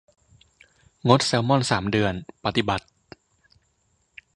งดแซลมอนสามเดือน ปฏิบัติ